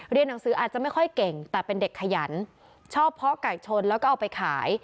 หนังสืออาจจะไม่ค่อยเก่งแต่เป็นเด็กขยันชอบเพาะไก่ชนแล้วก็เอาไปขาย